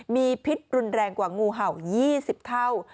มีพิษรุนแรงกว่างูเห่า๒๐เท่า